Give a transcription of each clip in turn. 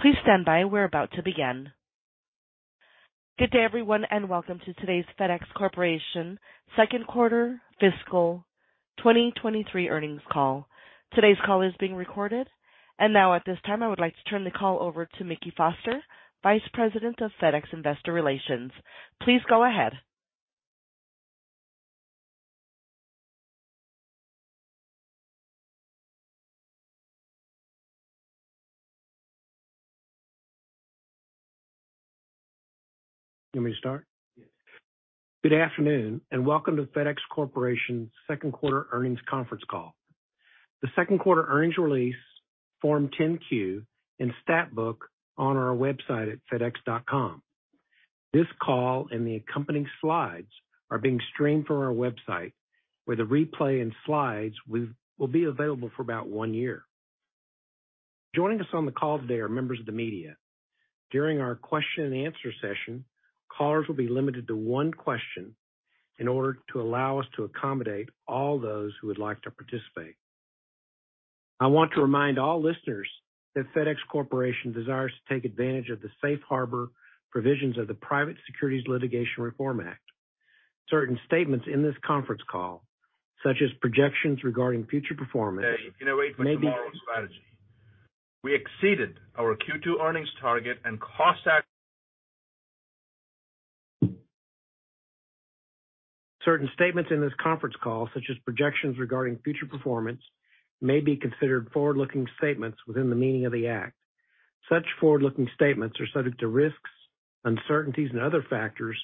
Please stand by. We're about to begin. Good day, everyone, and welcome to today's FedEx Corporation second quarter fiscal 2023 earnings call. Today's call is being recorded. Now, at this time, I would like to turn the call over to Mickey Foster, Vice President of FedEx Investor Relations. Please go ahead. You want me to start? Yes. Good afternoon and welcome to the FedEx Corporation second quarter earnings conference call. The second quarter earnings release, Form 10-Q, and stat book on our website at fedex.com. This call and the accompanying slides are being streamed from our website, where the replay and slides will be available for about one year. Joining us on the call today are members of the media. During our question and answer session, callers will be limited to one question in order to allow us to accommodate all those who would like to participate. I want to remind all listeners that FedEx Corporation desires to take advantage of the safe harbor provisions of the Private Securities Litigation Reform Act. Certain statements in this conference call, such as projections regarding future performance, may be-...We exceeded our Q2 earnings target. Certain statements in this conference call, such as projections regarding future performance, may be considered forward-looking statements within the meaning of the Act. Such forward-looking statements are subject to risks, uncertainties, and other factors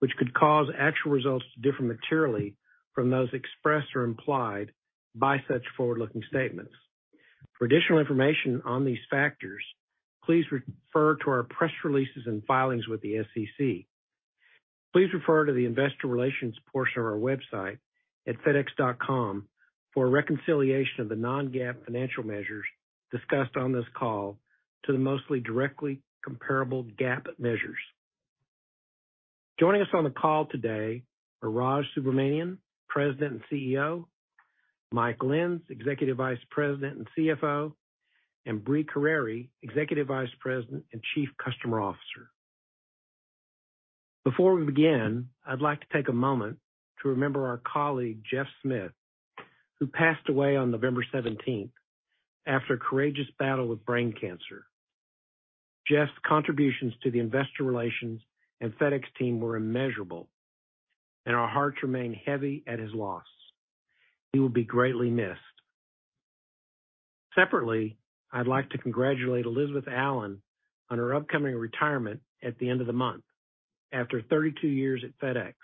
which could cause actual results to differ materially from those expressed or implied by such forward-looking statements. For additional information on these factors, please refer to our press releases and filings with the SEC. Please refer to the investor relations portion of our website at fedex.com for a reconciliation of the non-GAAP financial measures discussed on this call to the mostly directly comparable GAAP measures. Joining us on the call today are Raj Subramaniam, President and CEO, Mike Lenz, Executive Vice President and CFO, and Brie Carere, Executive Vice President and Chief Customer Officer. Before we begin, I'd like to take a moment to remember our colleague, Jeff Smith, who passed away on November 17th after a courageous battle with brain cancer. Jeff's contributions to the investor relations and FedEx team were immeasurable, and our hearts remain heavy at his loss. He will be greatly missed. Separately, I'd like to congratulate Elizabeth Allen on her upcoming retirement at the end of the month after 32 years at FedEx.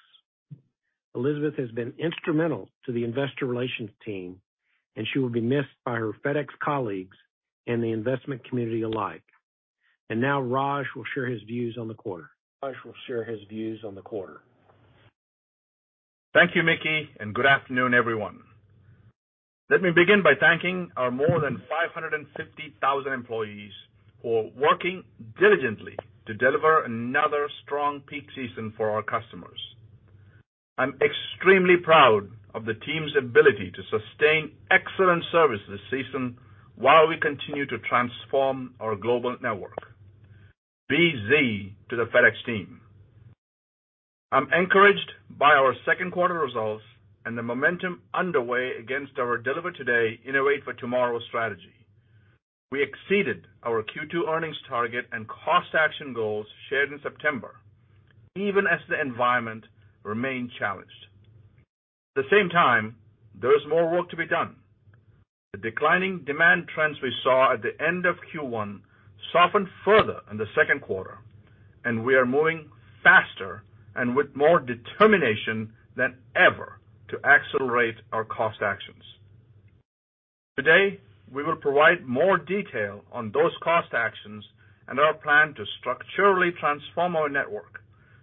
Elizabeth has been instrumental to the investor relations team, and she will be missed by her FedEx colleagues and the investment community alike. Now Raj will share his views on the quarter. Thank you, Mickey, and good afternoon, everyone. Let me begin by thanking our more than 550,000 employees who are working diligently to deliver another strong peak season for our customers. I'm extremely proud of the team's ability to sustain excellent service this season while we continue to transform our global network. BZ to the FedEx team. I'm encouraged by our second quarter results and the momentum underway against our Deliver Today, Innovate for Tomorrow strategy. We exceeded our Q2 earnings target and cost action goals shared in September, even as the environment remained challenged. At the same time, there is more work to be done. The declining demand trends we saw at the end of Q1 softened further in the second quarter, and we are moving faster and with more determination than ever to accelerate our cost actions. Today, we will provide more detail on those cost actions and our plan to structurally transform our network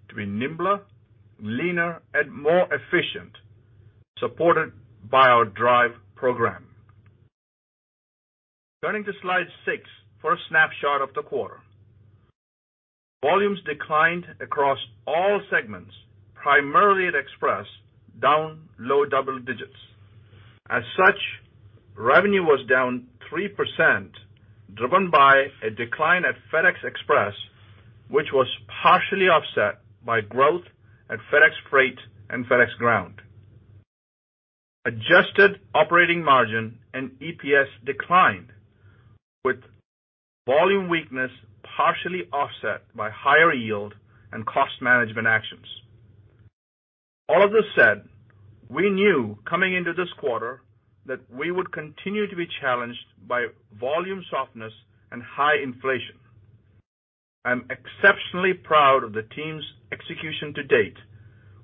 to be nimbler, leaner, and more efficient, supported by our DRIVE program. Turning to slide six for a snapshot of the quarter. Volumes declined across all segments, primarily at Express, down low double digits. As such, revenue was down 3%, driven by a decline at FedEx Express, which was partially offset by growth at FedEx Freight and FedEx Ground. Adjusted operating margin and EPS declined, with volume weakness partially offset by higher yield and cost management actions. All of this said, we knew coming into this quarter that we would continue to be challenged by volume softness and high inflation. I'm exceptionally proud of the team's execution to date,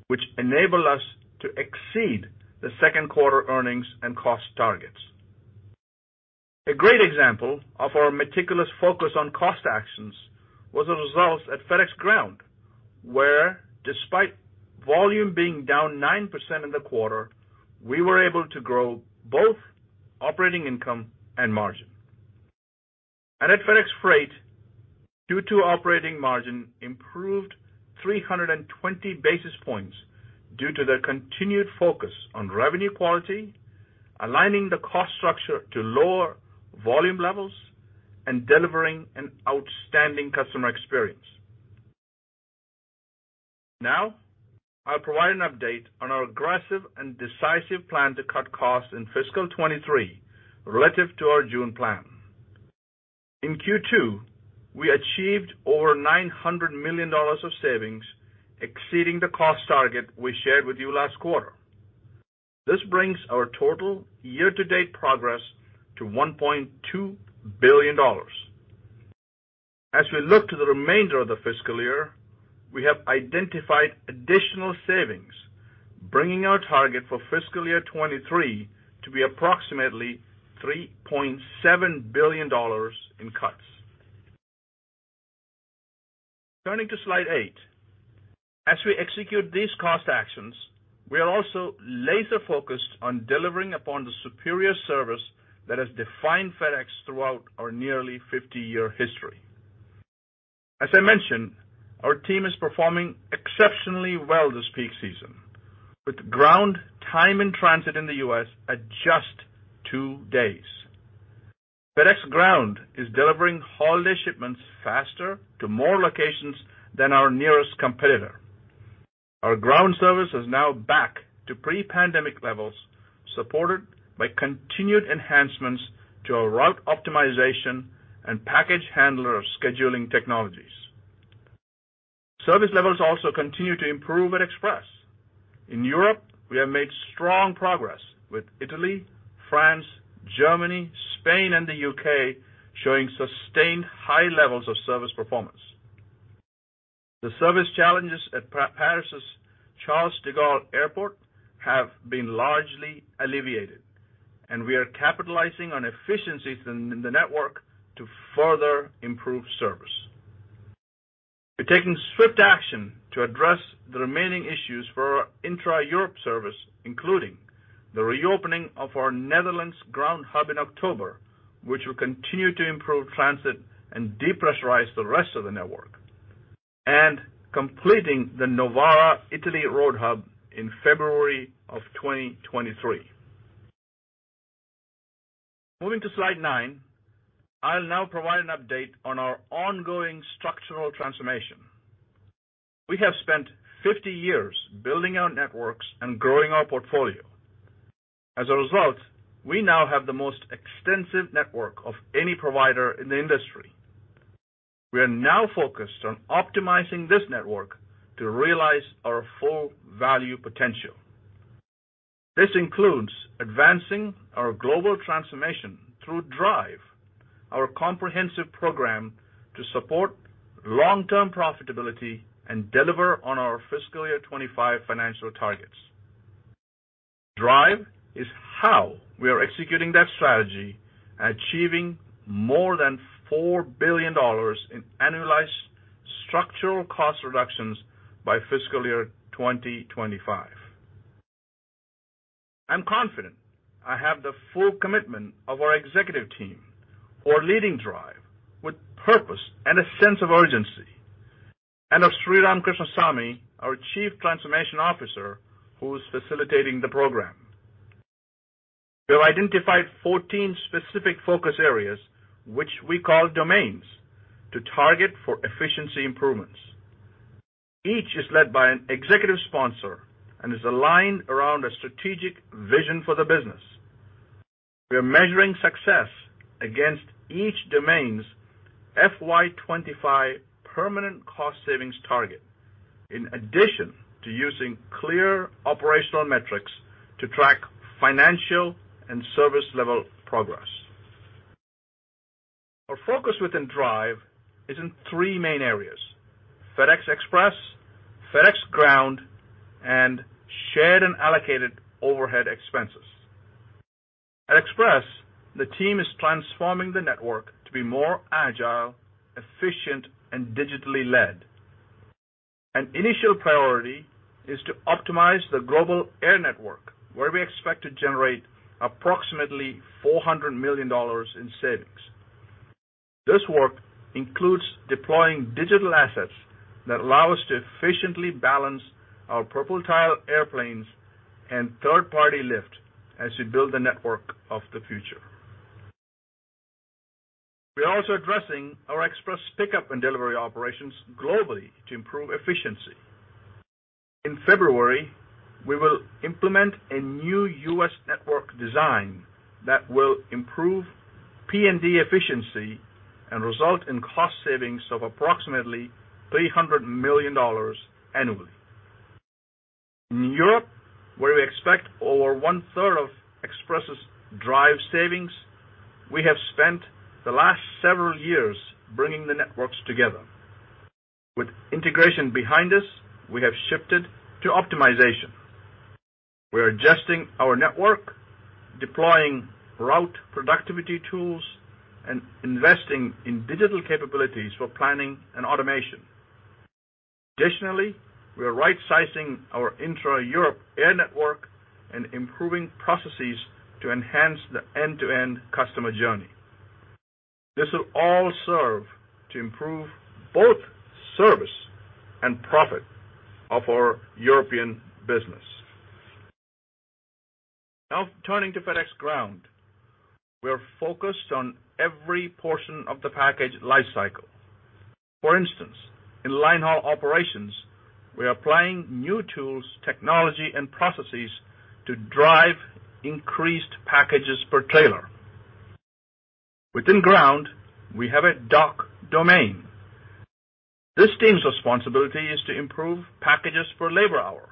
which enabled us to exceed the second quarter earnings and cost targets. A great example of our meticulous focus on cost actions was the results at FedEx Ground, where despite volume being down 9% in the quarter, we were able to grow both operating income and margin. At FedEx Freight, Q2 operating margin improved 320 basis points due to the continued focus on revenue quality, aligning the cost structure to lower volume levels, and delivering an outstanding customer experience. Now I'll provide an update on our aggressive and decisive plan to cut costs in fiscal 2023 relative to our June plan. In Q2, we achieved over $900 million of savings, exceeding the cost target we shared with you last quarter. This brings our total year-to-date progress to $1.2 billion. As we look to the remainder of the fiscal year, we have identified additional savings, bringing our target for fiscal year 2023 to be approximately $3.7 billion in cuts. Turning to slide eight. As we execute these cost actions, we are also laser-focused on delivering upon the superior service that has defined FedEx throughout our nearly 50-year history. As I mentioned, our team is performing exceptionally well this peak season, with ground time and transit in the U.S. at just two days. FedEx Ground is delivering holiday shipments faster to more locations than our nearest competitor. Our ground service is now back to pre-pandemic levels, supported by continued enhancements to our route optimization and package handler scheduling technologies. Service levels also continue to improve at Express. In Europe, we have made strong progress with Italy, France, Germany, Spain and the U.K. showing sustained high levels of service performance. The service challenges at Paris Charles de Gaulle Airport have been largely alleviated. We are capitalizing on efficiencies in the network to further improve service. We're taking swift action to address the remaining issues for our Intra-Europe service, including the reopening of our Netherlands ground hub in October, which will continue to improve transit and depressurize the rest of the network. Completing the Novara Italy Road hub in February of 2023. Moving to slide nine. I'll now provide an update on our ongoing structural transformation. We have spent 50 years building our networks and growing our portfolio. As a result, we now have the most extensive network of any provider in the industry. We are now focused on optimizing this network to realize our full value potential. This includes advancing our global transformation through DRIVE, our comprehensive program to support long-term profitability and deliver on our fiscal year 2025 financial targets. DRIVE is how we are executing that strategy, achieving more than $4 billion in annualized structural cost reductions by fiscal year 2025. I'm confident I have the full commitment of our executive team who are leading DRIVE with purpose and a sense of urgency. Of Sriram Krishnasamy, our Chief Transformation Officer, who is facilitating the program. We have identified 14 specific focus areas, which we call domains, to target for efficiency improvements. Each is led by an executive sponsor and is aligned around a strategic vision for the business. We are measuring success against each domain's FY 2025 permanent cost savings target. In addition to using clear operational metrics to track financial and service level progress. Our focus within DRIVE is in three main areas: FedEx Express, FedEx Ground, and shared and allocated overhead expenses. At Express, the team is transforming the network to be more agile, efficient and digitally led. An initial priority is to optimize the global air network, where we expect to generate approximately $400 million in savings. This work includes deploying digital assets that allow us to efficiently balance our purple tail airplanes and third-party lift as we build the network of the future. We are also addressing our Express pickup and delivery operations globally to improve efficiency. In February, we will implement a new U.S. network design that will improve P&D efficiency and result in cost savings of approximately $300 million annually. In Europe, where we expect over one-third of Express's DRIVE savings, we have spent the last several years bringing the networks together. With integration behind us, we have shifted to optimization. We're adjusting our network, deploying route productivity tools, and investing in digital capabilities for planning and automation. Additionally, we are rightsizing our intra-Europe air network and improving processes to enhance the end-to-end customer journey. This will all serve to improve both service and profit of our European business. Now turning to FedEx Ground. We are focused on every portion of the package life cycle. For instance, in line haul operations, we are applying new tools, technology, and processes to drive increased packages per trailer. Within Ground, we have a dock domain. This team's responsibility is to improve packages per labor hour.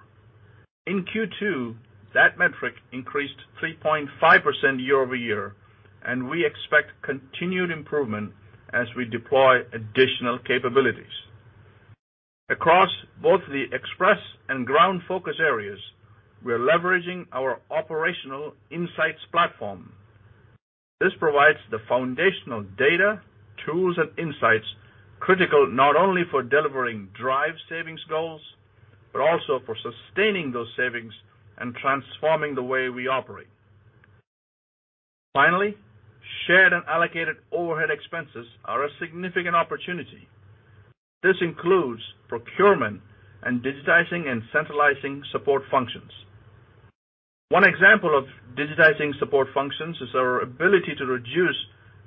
In Q2, that metric increased 3.5% year-over-year. We expect continued improvement as we deploy additional capabilities. Across both the Express and Ground focus areas, we are leveraging our Operations Insights Platform. This provides the foundational data, tools, and insights critical not only for delivering DRIVE savings goals, but also for sustaining those savings and transforming the way we operate. Finally, shared and allocated overhead expenses are a significant opportunity. This includes procurement and digitizing and centralizing support functions. One example of digitizing support functions is our ability to reduce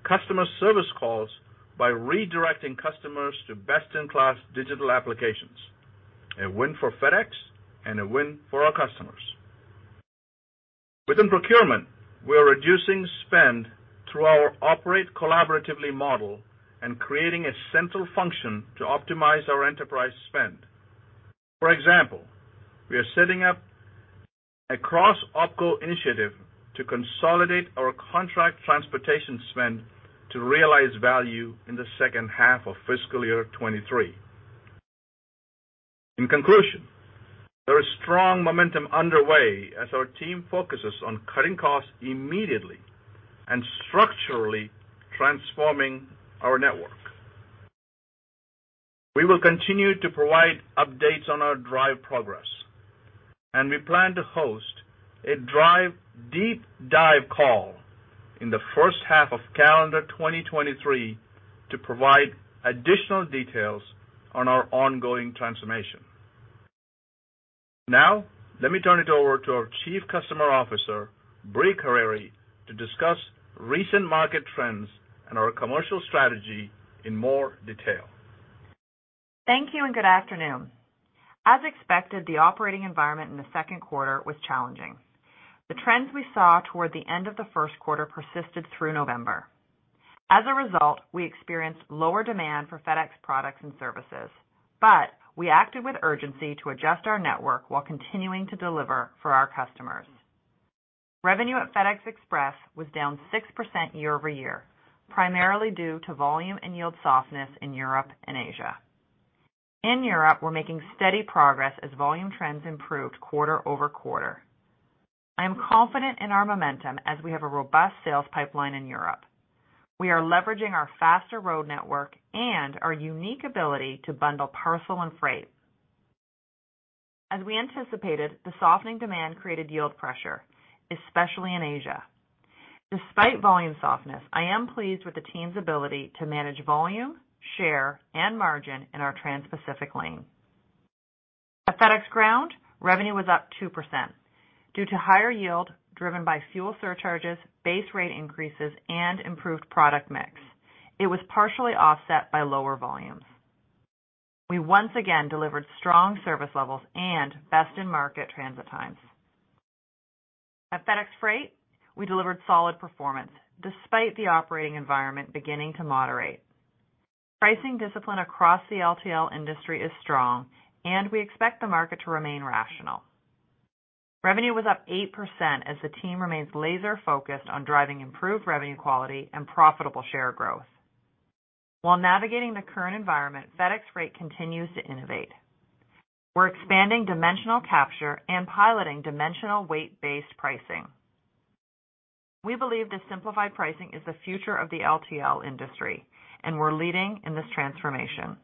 customer service calls by redirecting customers to best-in-class digital applications, a win for FedEx and a win for our customers. Within procurement, we are reducing spend through our operate collaboratively model and creating a central function to optimize our enterprise spend. For example, we are setting up a cross OpCo initiative to consolidate our contract transportation spend to realize value in the second half of fiscal year 2023. In conclusion, there is strong momentum underway as our team focuses on cutting costs immediately and structurally transforming our network. We will continue to provide updates on our DRIVE progress, and we plan to host a DRIVE deep dive call in the first half of calendar 2023 to provide additional details on our ongoing transformation. Let me turn it over to our Chief Customer Officer, Brie Carere, to discuss recent market trends and our commercial strategy in more detail. Thank you and good afternoon. As expected, the operating environment in the second quarter was challenging. The trends we saw toward the end of the first quarter persisted through November. As a result, we experienced lower demand for FedEx products and services, but we acted with urgency to adjust our network while continuing to deliver for our customers. Revenue at FedEx Express was down 6% year-over-year, primarily due to volume and yield softness in Europe and Asia. In Europe, we're making steady progress as volume trends improved quarter-over-quarter. I am confident in our momentum as we have a robust sales pipeline in Europe. We are leveraging our faster road network and our unique ability to bundle parcel and freight. As we anticipated, the softening demand created yield pressure, especially in Asia. Despite volume softness, I am pleased with the team's ability to manage volume, share, and margin in our Transpacific lane. At FedEx Ground, revenue was up 2% due to higher yield driven by fuel surcharges, base rate increases, and improved product mix. It was partially offset by lower volumes. We once again delivered strong service levels and best-in-market transit times. At FedEx Freight, we delivered solid performance despite the operating environment beginning to moderate. Pricing discipline across the LTL industry is strong. We expect the market to remain rational. Revenue was up 8% as the team remains laser-focused on driving improved revenue quality and profitable share growth. While navigating the current environment, FedEx Freight continues to innovate. We're expanding dimensional capture and piloting dimensional weight-based pricing. We believe this simplified pricing is the future of the LTL industry. We're leading in this transformation.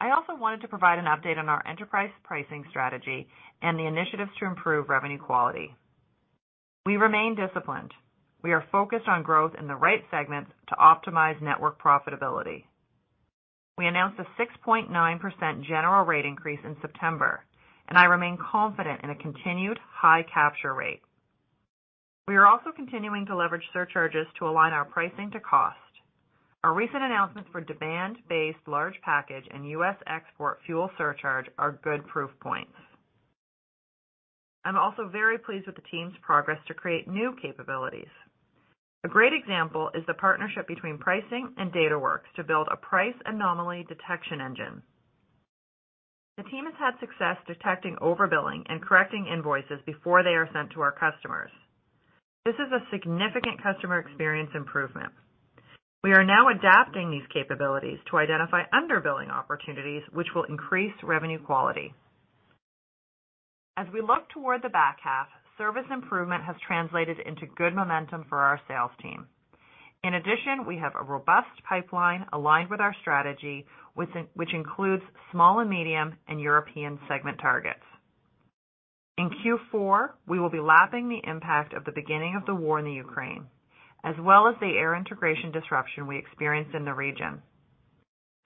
I also wanted to provide an update on our enterprise pricing strategy and the initiatives to improve revenue quality. We remain disciplined. We are focused on growth in the right segments to optimize network profitability. We announced a 6.9% general rate increase in September, and I remain confident in a continued high capture rate. We are also continuing to leverage surcharges to align our pricing to cost. Our recent announcement for demand-based large package and U.S. export fuel surcharge are good proof points. I'm also very pleased with the team's progress to create new capabilities. A great example is the partnership between Pricing and Dataworks to build a price anomaly detection engine. The team has had success detecting overbilling and correcting invoices before they are sent to our customers. This is a significant customer experience improvement. We are now adapting these capabilities to identify under-billing opportunities which will increase revenue quality. We look toward the back half, service improvement has translated into good momentum for our sales team. In addition, we have a robust pipeline aligned with our strategy, which includes small and medium and European segment targets. In Q4, we will be lapping the impact of the beginning of the war in the Ukraine, as well as the air integration disruption we experienced in the region.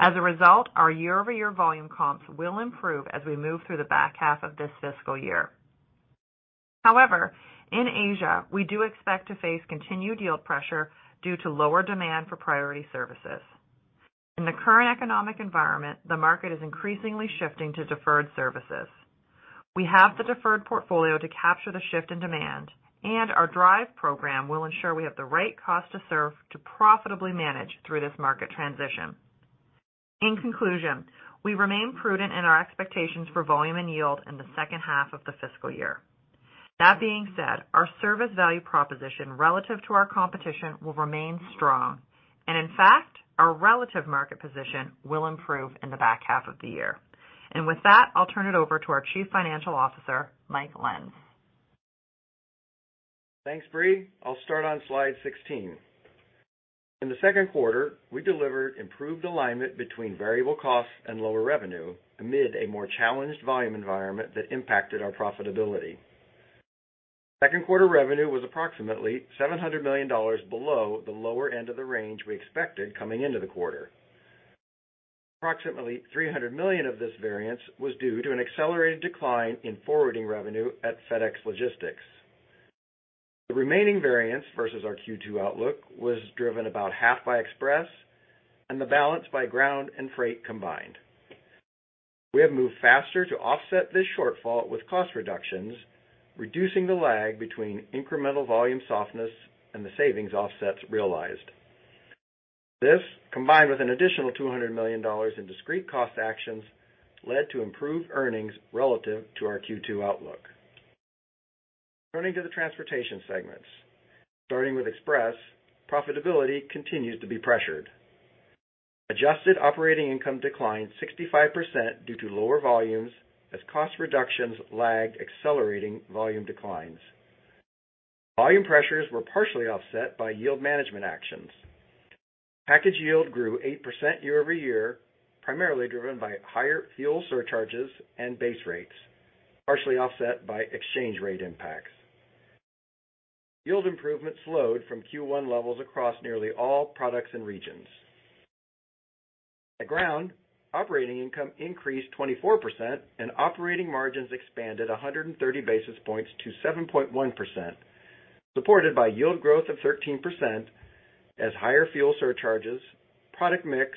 As a result, our year-over-year volume comps will improve as we move through the back half of this fiscal year. However, in Asia, we do expect to face continued yield pressure due to lower demand for priority services. In the current economic environment, the market is increasingly shifting to deferred services. We have the deferred portfolio to capture the shift in demand. Our DRIVE program will ensure we have the right cost to serve to profitably manage through this market transition. In conclusion, we remain prudent in our expectations for volume and yield in the second half of the fiscal year. That being said, our service value proposition relative to our competition will remain strong. In fact, our relative market position will improve in the back half of the year. With that, I'll turn it over to our Chief Financial Officer, Mike Lenz. Thanks, Brie. I'll start on slide 16. In the second quarter, we delivered improved alignment between variable costs and lower revenue amid a more challenged volume environment that impacted our profitability. Second quarter revenue was approximately $700 million below the lower end of the range we expected coming into the quarter. Approximately $300 million of this variance was due to an accelerated decline in forwarding revenue at FedEx Logistics. The remaining variance versus our Q2 outlook was driven about half by Express and the balance by Ground and Freight combined. We have moved faster to offset this shortfall with cost reductions, reducing the lag between incremental volume softness and the savings offsets realized. This, combined with an additional $200 million in discrete cost actions, led to improved earnings relative to our Q2 outlook. Turning to the transportation segments. Starting with Express, profitability continues to be pressured. Adjusted operating income declined 65% due to lower volumes as cost reductions lagged accelerating volume declines. Volume pressures were partially offset by yield management actions. Package yield grew 8% year-over-year, primarily driven by higher fuel surcharges and base rates, partially offset by exchange rate impacts. Yield improvement slowed from Q1 levels across nearly all products and regions. At Ground, operating income increased 24% and operating margins expanded 130 basis points to 7.1%, supported by yield growth of 13% as higher fuel surcharges, product mix,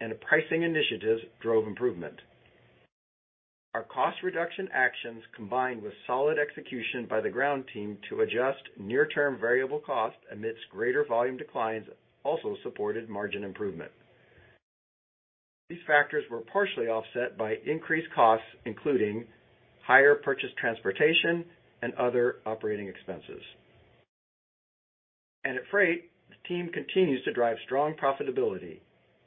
and pricing initiatives drove improvement. Our cost reduction actions, combined with solid execution by the Ground team to adjust near-term variable cost amidst greater volume declines, also supported margin improvement. These factors were partially offset by increased costs, including higher purchase transportation and other operating expenses. At Freight, the team continues to drive strong profitability,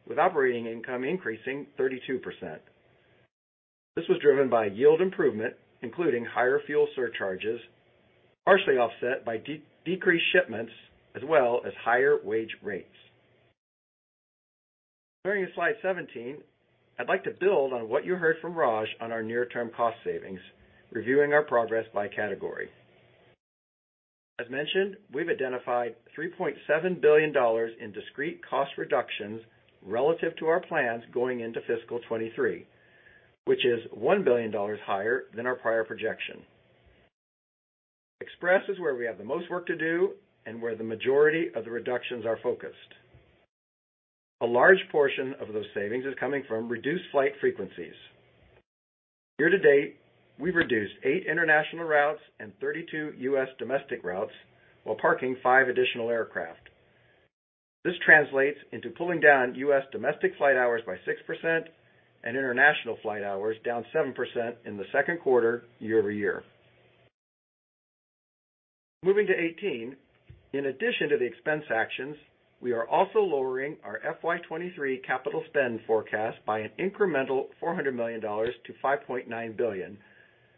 with operating income increasing 32%. This was driven by yield improvement, including higher fuel surcharges, partially offset by decreased shipments as well as higher wage rates. Turning to slide 17, I'd like to build on what you heard from Raj on our near-term cost savings, reviewing our progress by category. As mentioned, we've identified $3.7 billion in discrete cost reductions relative to our plans going into fiscal 2023, which is $1 billion higher than our prior projection. Express is where we have the most work to do and where the majority of the reductions are focused. A large portion of those savings is coming from reduced flight frequencies. Year to date, we've reduced eight international routes and 32 U.S. domestic routes while parking five additional aircraft. This translates into pulling down U.S. domestic flight hours by 6% and international flight hours down 7% in the second quarter year-over-year. Moving to 18, in addition to the expense actions, we are also lowering our FY 2023 capital spend forecast by an incremental $400 million to $5.9 billion,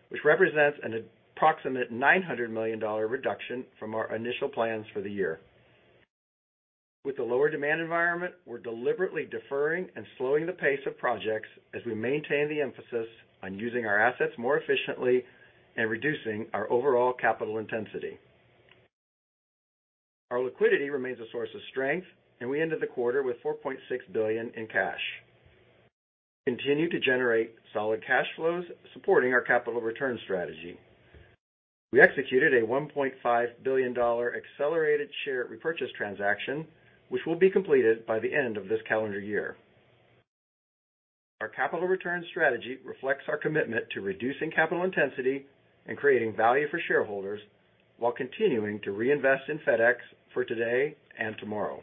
which represents an approximate $900 million reduction from our initial plans for the year. With the lower demand environment, we're deliberately deferring and slowing the pace of projects as we maintain the emphasis on using our assets more efficiently and reducing our overall capital intensity. Our liquidity remains a source of strength. We ended the quarter with $4.6 billion in cash. We continue to generate solid cash flows, supporting our capital return strategy. We executed a $1.5 billion accelerated share repurchase transaction, which will be completed by the end of this calendar year. Our capital return strategy reflects our commitment to reducing capital intensity and creating value for shareholders while continuing to reinvest in FedEx for today and tomorrow.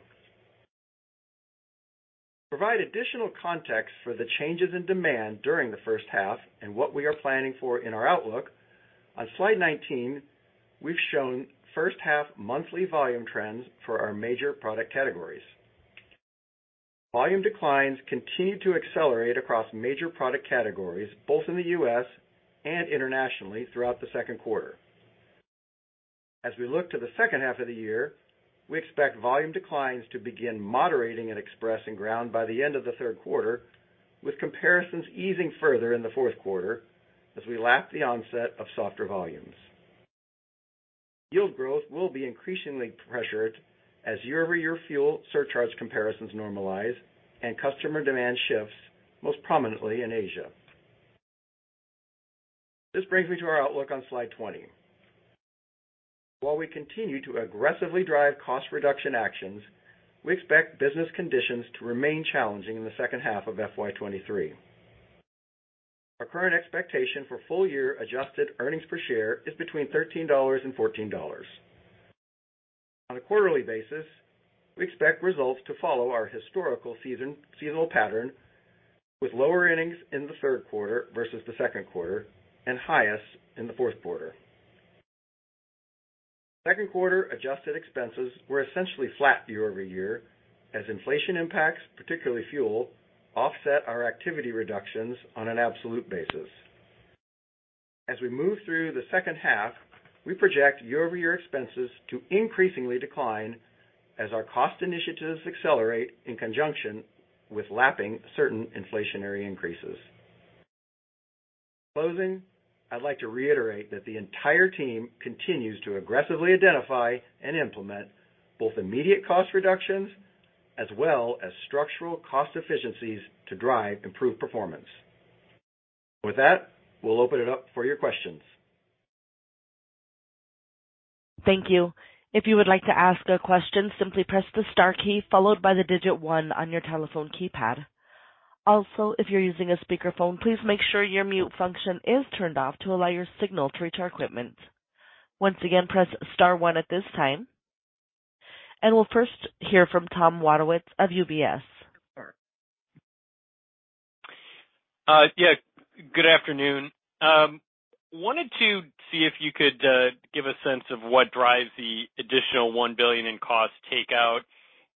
To provide additional context for the changes in demand during the first half and what we are planning for in our outlook, on slide 19, we've shown first-half monthly volume trends for our major product categories. Volume declines continued to accelerate across major product categories, both in the U.S. and internationally throughout the second quarter. As we look to the second half of the year, we expect volume declines to begin moderating at Express and Ground by the end of the third quarter, with comparisons easing further in the fourth quarter as we lap the onset of softer volumes. Yield growth will be increasingly pressured as year-over-year fuel surcharge comparisons normalize and customer demand shifts, most prominently in Asia. This brings me to our outlook on slide 20. While we continue to aggressively drive cost reduction actions, we expect business conditions to remain challenging in the second half of FY 2023. Our current expectation for full year adjusted EPS is between $13 and $14. On a quarterly basis, we expect results to follow our historical seasonal pattern, with lower earnings in the third quarter versus the second quarter and highest in the fourth quarter. Second quarter adjusted expenses were essentially flat year-over-year as inflation impacts, particularly fuel, offset our activity reductions on an absolute basis. As we move through the second half, we project year-over-year expenses to increasingly decline as our cost initiatives accelerate in conjunction with lapping certain inflationary increases. In closing, I'd like to reiterate that the entire team continues to aggressively identify and implement both immediate cost reductions as well as structural cost efficiencies to drive improved performance. With that, we'll open it up for your questions? Thank you. If you would like to ask a question, simply press the star key followed by the digit one on your telephone keypad. Also, if you're using a speakerphone, please make sure your mute function is turned off to allow your signal to reach our equipment. Once again, press star one at this time. We'll first hear from Tom Wadewitz of UBS. Yeah, good afternoon. Wanted to see if you could give a sense of what drives the additional $1 billion in cost takeout.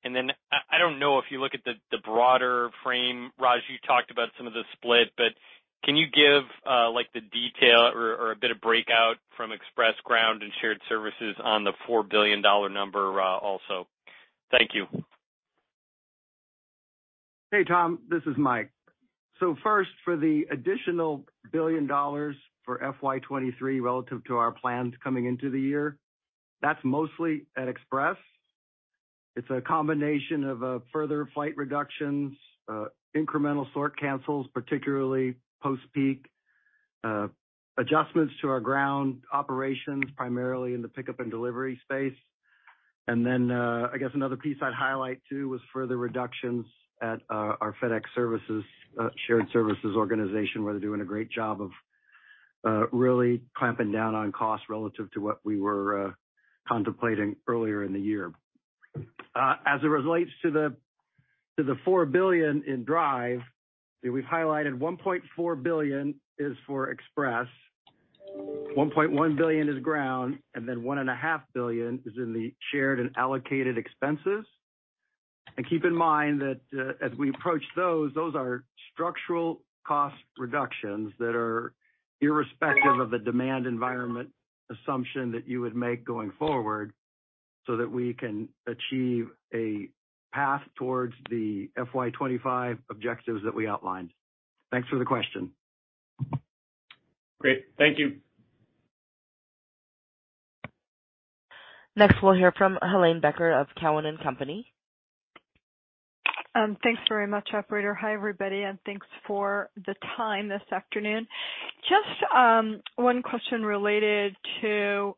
I don't know if you look at the broader frame, Raj, you talked about some of the split, but can you give like the detail or a bit of breakout from Express, Ground, and Shared Services on the $4 billion number also? Thank you. Hey, Tom, this is Mike. First, for the additional $1 billion for FY 2023 relative to our plans coming into the year, that's mostly at Express. It's a combination of further flight reductions, incremental sort cancels, particularly post-peak, adjustments to our Ground operations, primarily in the pickup and delivery space. Then, I guess another piece I'd highlight too was further reductions at our FedEx Services, Shared Services organization, where they're doing a great job of really clamping down on costs relative to what we were contemplating earlier in the year. As it relates to the $4 billion in DRIVE, we've highlighted $1.4 billion is for Express, $1.1 billion is Ground, and then $1.5 billion is in the Shared & Allocated Expenses. Keep in mind that, as we approach those are structural cost reductions that are irrespective of the demand environment assumption that you would make going forward so that we can achieve a path towards the FY 2025 objectives that we outlined. Thanks for the question. Great. Thank you. Next, we'll hear from Helane Becker of Cowen and Company. Thanks very much, operator. Hi, everybody, thanks for the time this afternoon. Just one question related to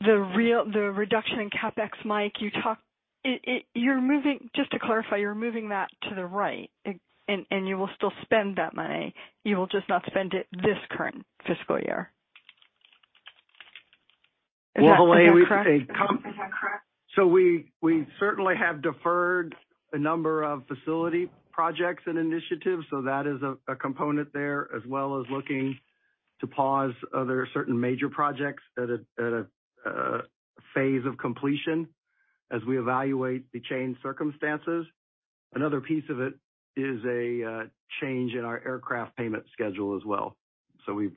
the reduction in CapEx, Mike. You talked. Just to clarify, you're moving that to the right and you will still spend that money. You will just not spend it this current fiscal year. Is that correct? Helane, we certainly have deferred a number of facility projects and initiatives. That is a component there, as well as looking to pause other certain major projects at a phase of completion as we evaluate the changed circumstances. Another piece of it is a change in our aircraft payment schedule as well. We've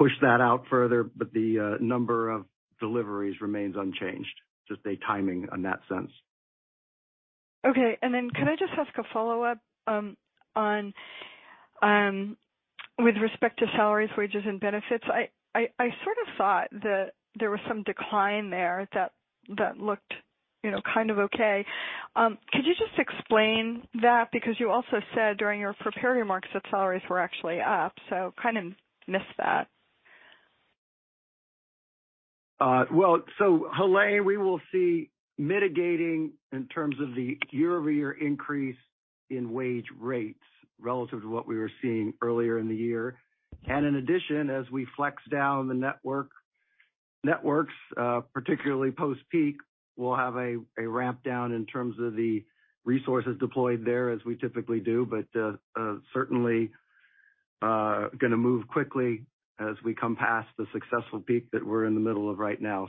pushed that out further, but the number of deliveries remains unchanged. Just a timing on that sense. Okay. Could I just ask a follow-up, on, with respect to salaries, wages, and benefits? I sort of saw that there was some decline there that looked, you know, kind of okay. Could you just explain that? You also said during your prepared remarks that salaries were actually up, so kind of missed that. Well, Helane, we will see mitigating in terms of the year-over-year increase in wage rates relative to what we were seeing earlier in the year. In addition, as we flex down the networks, particularly post-peak, we'll have a ramp down in terms of the resources deployed there as we typically do. Certainly gonna move quickly as we come past the successful peak that we're in the middle of right now.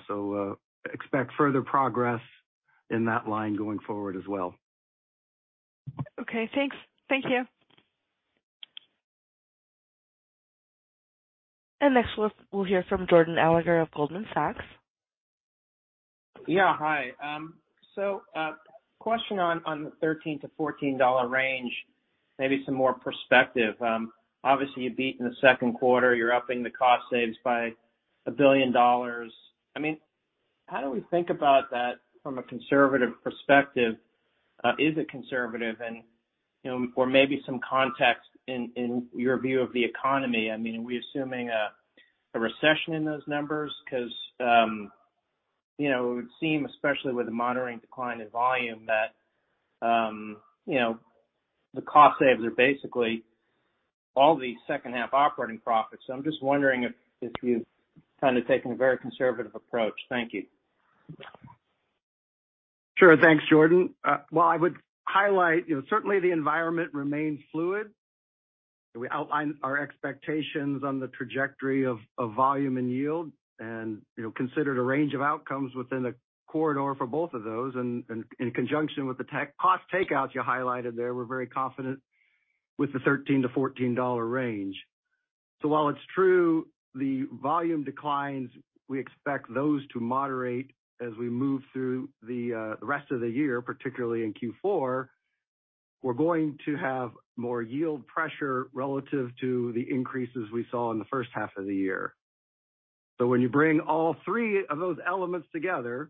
Expect further progress in that line going forward as well. Okay, thanks. Thank you. Next, we'll hear from Jordan Alliger of Goldman Sachs. Yeah, hi. Question on the $13-$14 range, maybe some more perspective. Obviously you beat in the second quarter, you're upping the cost saves by $1 billion. I mean, how do we think about that from a conservative perspective? Is it conservative and, you know, or maybe some context in your view of the economy. I mean, are we assuming a recession in those numbers? 'Cause, you know, it would seem, especially with the moderating decline in volume that, you know, the cost saves are basically all the second half operating profits. I'm just wondering if you've kind of taken a very conservative approach. Thank you. Sure. Thanks, Jordan. Well, I would highlight, you know, certainly the environment remains fluid. We outlined our expectations on the trajectory of volume and yield and, you know, considered a range of outcomes within a corridor for both of those. In conjunction with the tech cost takeouts you highlighted there, we're very confident with the $13-$14 range. While it's true the volume declines, we expect those to moderate as we move through the rest of the year, particularly in Q4. We're going to have more yield pressure relative to the increases we saw in the first half of the year. When you bring all three of those elements together,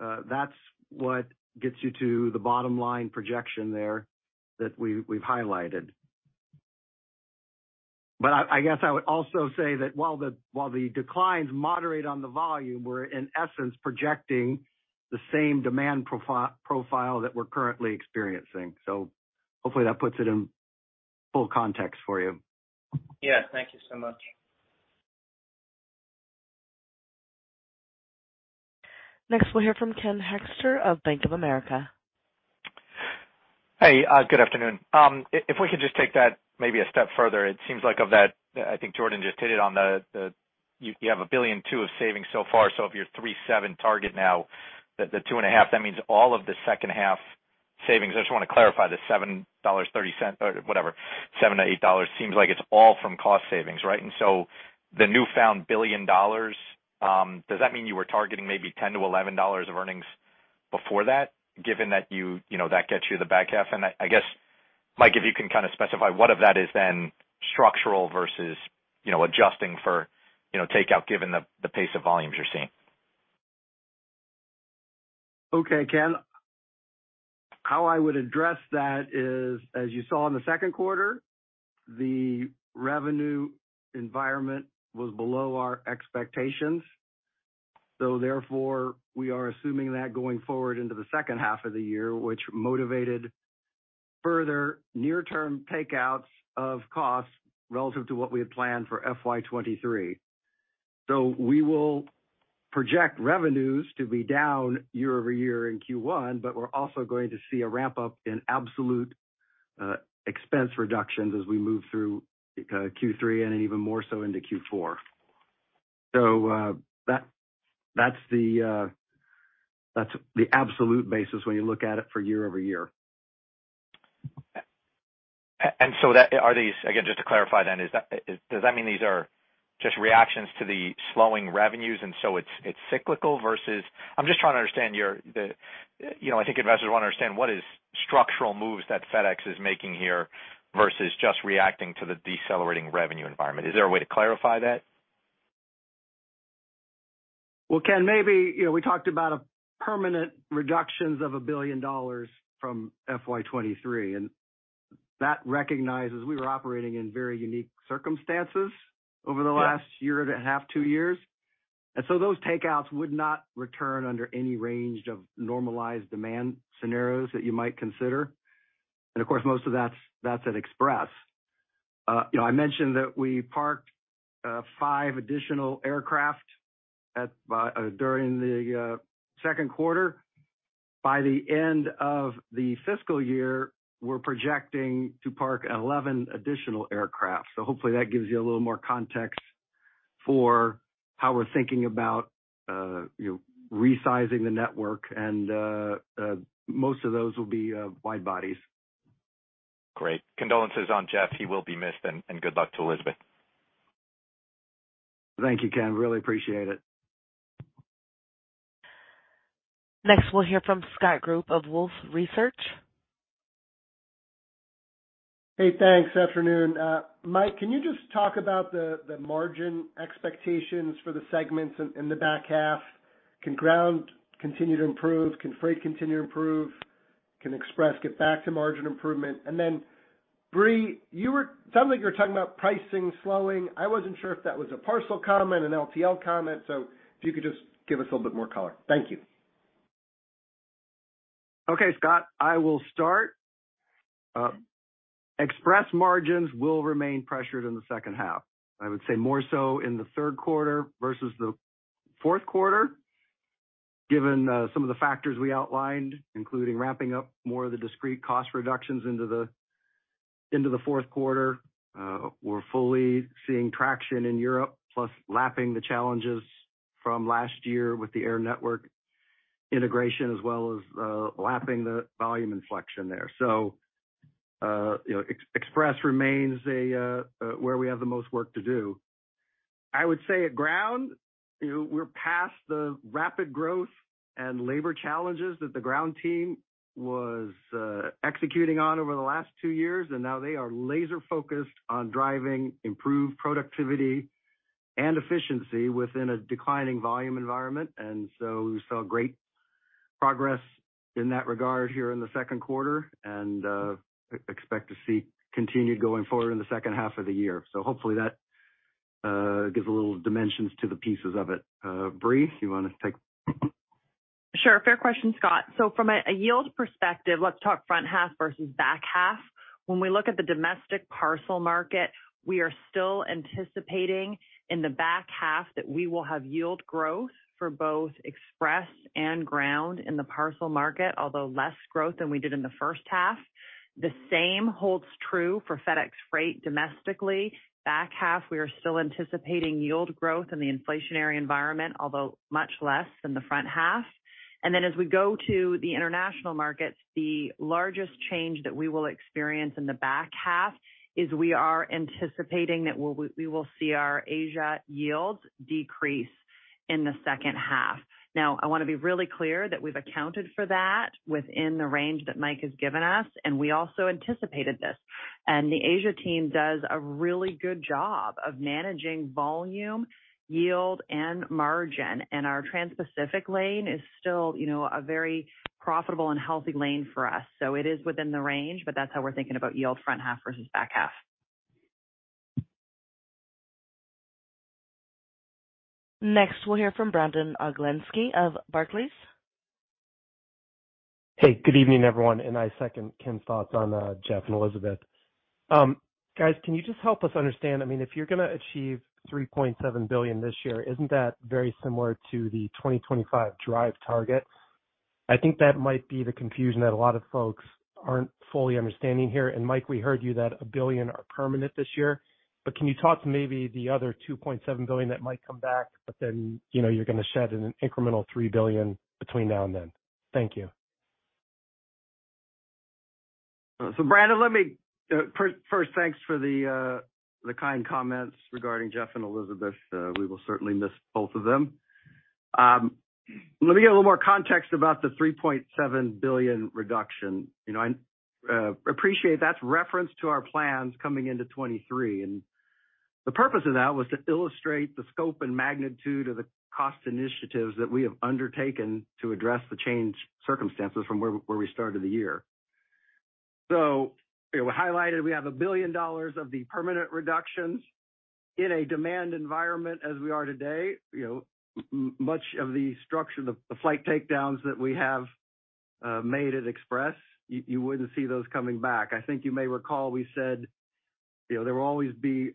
that's what gets you to the bottom line projection there that we've highlighted. I guess I would also say that while the declines moderate on the volume, we're in essence projecting the same demand profile that we're currently experiencing. Hopefully that puts it in full context for you. Yes. Thank you so much. Next, we'll hear from Ken Hoexter of Bank of America. Hey, good afternoon. If we could just take that maybe a step further, it seems like of that, I think Jordan just hit it on the. You have $1.2 billion of savings so far. If your $3.7 billion target now, the $2.5 billion, that means all of the second half savings. I just wanna clarify the $7.30 or whatever, $7-$8 seems like it's all from cost savings, right? The newfound $1 billion, does that mean you were targeting maybe $10-$11 of earnings before that, given that you know, that gets you the back half? I guess, Mike, if you can kinda specify what of that is then structural versus, you know, adjusting for, you know, takeout given the pace of volumes you're seeing. Okay, Ken. How I would address that is, as you saw in the second quarter, the revenue environment was below our expectations. Therefore, we are assuming that going forward into the second half of the year, which motivated further near-term takeouts of costs relative to what we had planned for FY 2023. We will project revenues to be down year-over-year in Q1, but we're also going to see a ramp-up in absolute expense reductions as we move through Q3 and even more so into Q4. That, that's the absolute basis when you look at it for year-over-year. Are these Again, just to clarify then, is that, does that mean these are just reactions to the slowing revenues, and so it's cyclical versus? I'm just trying to understand your, you know, I think investors wanna understand what is structural moves that FedEx is making here versus just reacting to the decelerating revenue environment. Is there a way to clarify that? Well, Ken, maybe, you know, we talked about a permanent reductions of $1 billion from FY 2023. That recognizes we were operating in very unique circumstances over the last year. Yeah And a half, two years. Those takeouts would not return under any range of normalized demand scenarios that you might consider. And of course, most of that's at Express. you know, I mentioned that we parked five additional aircraft during the second quarter. By the end of the fiscal year, we're projecting to park 11 additional aircraft. Hopefully that gives you a little more context for how we're thinking about, you know, resizing the network and most of those will be wide bodies. Great. Condolences on Jeff. He will be missed and good luck to Elizabeth. Thank you, Ken. Really appreciate it. Next, we'll hear from Scott Group of Wolfe Research. Hey, thanks. Afternoon. Mike, can you just talk about the margin expectations for the segments in the back half? Can Ground continue to improve? Can Freight continue to improve? Can Express get back to margin improvement? Brie, it sounded like you were talking about pricing slowing. I wasn't sure if that was a parcel comment, an LTL comment. If you could just give us a little bit more color. Thank you. Okay, Scott, I will start. Express margins will remain pressured in the second half. I would say more so in the third quarter versus the fourth quarter. Given some of the factors we outlined, including ramping up more of the discrete cost reductions into the, into the fourth quarter. We're fully seeing traction in Europe, plus lapping the challenges from last year with the air network integration as well as lapping the volume inflection there. You know, Express remains a where we have the most work to do. I would say at Ground, you know, we're past the rapid growth and labor challenges that the Ground team was executing on over the last two years, and now they are laser-focused on driving improved productivity and efficiency within a declining volume environment. We saw great progress in that regard here in the second quarter and expect to see continued going forward in the second half of the year. Hopefully that gives a little dimensions to the pieces of it. Brie, you want to take? Sure. Fair question, Scott. From a yield perspective, let's talk front half versus back half. When we look at the domestic parcel market, we are still anticipating in the back half that we will have yield growth for both Express and Ground in the parcel market, although less growth than we did in the first half. The same holds true for FedEx Freight domestically. Back half, we are still anticipating yield growth in the inflationary environment, although much less than the front half. As we go to the international markets, the largest change that we will experience in the back half is we are anticipating that we will see our Asia yields decrease in the second half. I want to be really clear that we've accounted for that within the range that Mike has given us, and we also anticipated this. The Asia team does a really good job of managing volume, yield, and margin. Our Transpacific lane is still, you know, a very profitable and healthy lane for us. It is within the range, but that's how we're thinking about yield front half versus back half. Next, we'll hear from Brandon Oglenski of Barclays. Hey, good evening, everyone. I second Ken's thoughts on Jeff and Elizabeth. Guys, can you just help us understand, I mean, if you're gonna achieve $3.7 billion this year, isn't that very similar to the 2025 DRIVE target? I think that might be the confusion that a lot of folks aren't fully understanding here. Mike, we heard you that $1 billion are permanent this year, but can you talk to maybe the other $2.7 billion that might come back, but then, you know, you're gonna shed an incremental $3 billion between now and then. Thank you. Brandon, let me first, thanks for the kind comments regarding Jeff and Elizabeth. We will certainly miss both of them. Let me give a little more context about the $3.7 billion reduction. You know, and appreciate that's reference to our plans coming into 2023. The purpose of that was to illustrate the scope and magnitude of the cost initiatives that we have undertaken to address the change circumstances from where we started the year. We highlighted we have $1 billion of the permanent reductions. In a demand environment as we are today, you know, much of the structure, the flight takedowns that we have made at Express, you wouldn't see those coming back. I think you may recall we said, you know, there will always be,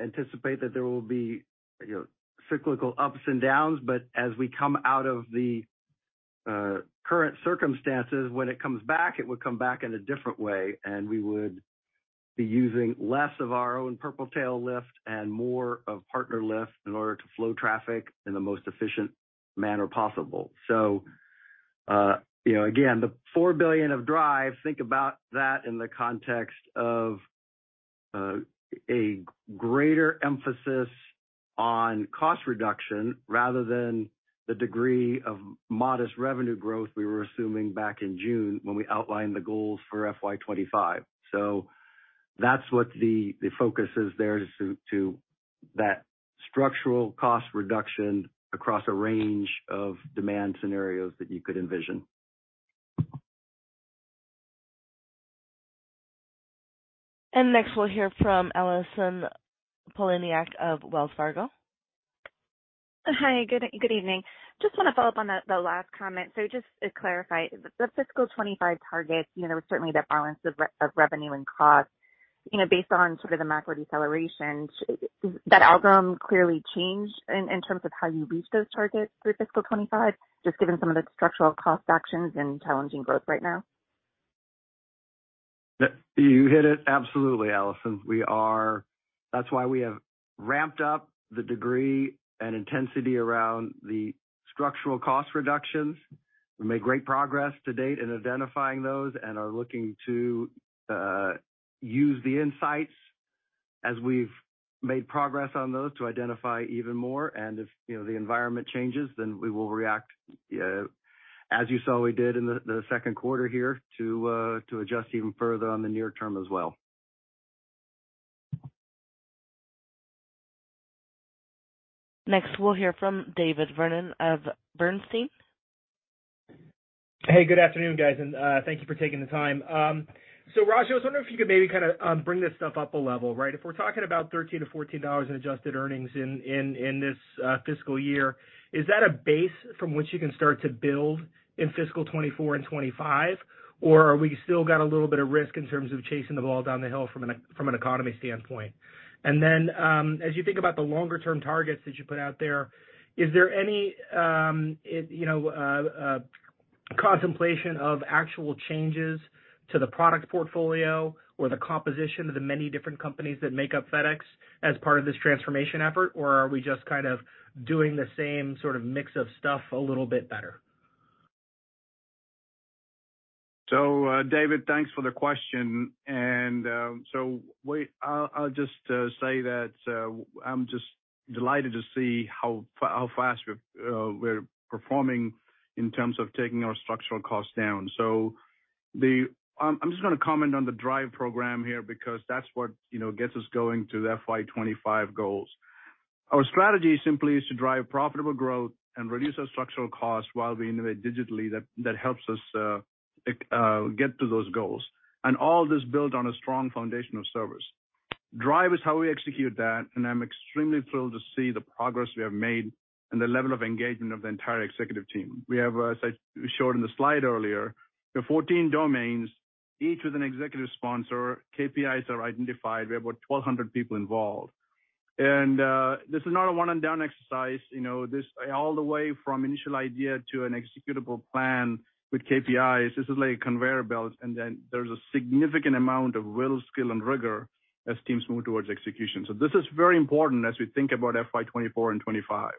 anticipate that there will be, you know, cyclical ups and downs, but as we come out of the current circumstances, when it comes back, it would come back in a different way, and we would be using less of our own purple tail lift and more of partner lift in order to flow traffic in the most efficient manner possible. Again, you know, the $4 billion of DRIVE, think about that in the context of a greater emphasis on cost reduction rather than the degree of modest revenue growth we were assuming back in June when we outlined the goals for FY 2025. That's what the focus is there is to that structural cost reduction across a range of demand scenarios that you could envision. Next, we'll hear from Allison Poliniak-Cusic of Wells Fargo. Hi. Good evening. Just want to follow up on the last comment. Just to clarify, the fiscal 2025 targets, you know, there was certainly the balance of revenue and cost. You know, based on sort of the macro deceleration, has that outcome clearly changed in terms of how you reach those targets through fiscal 2025, just given some of the structural cost actions and challenging growth right now? You hit it absolutely, Allison. That's why we have ramped up the degree and intensity around the structural cost reductions. We've made great progress to date in identifying those and are looking to use the insights as we've made progress on those to identify even more. If, you know, the environment changes, then we will react as you saw we did in the second quarter here, to adjust even further on the near term as well. Next, we'll hear from David Vernon of Bernstein. Hey, good afternoon, guys, and thank you for taking the time. Raj, I was wondering if you could maybe kinda bring this stuff up a level, right? If we're talking about $13-$14 in adjusted earnings in this fiscal year, is that a base from which you can start to build in fiscal 2024 and 2025? Have we still got a little bit of risk in terms of chasing the ball down the hill from an economy standpoint? Then, as you think about the longer-term targets that you put out there, is there any, you know? Contemplation of actual changes to the product portfolio or the composition of the many different companies that make up FedEx as part of this transformation effort, or are we just kind of doing the same sort of mix of stuff a little bit better? David, thanks for the question. I'll just say that I'm just delighted to see how fast we're performing in terms of taking our structural costs down. I'm just gonna comment on the DRIVE program here because that's what, you know, gets us going to the FY 2025 goals. Our strategy simply is to drive profitable growth and reduce our structural costs while we innovate digitally that helps us get to those goals. All this built on a strong foundation of service. DRIVE is how we execute that. I'm extremely thrilled to see the progress we have made and the level of engagement of the entire executive team. We have, as I showed in the slide earlier, the 14 domains, each with an executive sponsor. KPIs are identified. We have about 1,200 people involved. This is not a one and done exercise. You know, this all the way from initial idea to an executable plan with KPIs. This is like a conveyor belt. Then there's a significant amount of will, skill, and rigor as teams move towards execution. This is very important as we think about FY 2024 and 2025.